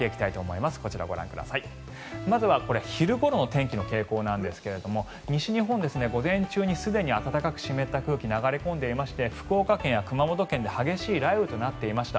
まずは昼ごろの天気の傾向なんですが西日本、午前中にすでに暖かく湿った空気が流れ込んでいまして福岡県や熊本県で激しい雷雨となっていました。